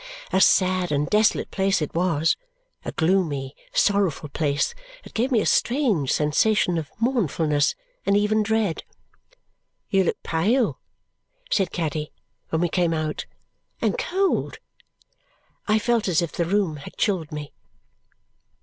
A sad and desolate place it was, a gloomy, sorrowful place that gave me a strange sensation of mournfulness and even dread. "You look pale," said Caddy when we came out, "and cold!" I felt as if the room had chilled me.